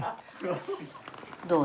どう？